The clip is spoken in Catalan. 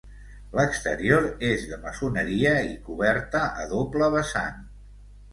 L'exterior és de maçoneria i coberta a doble vessant.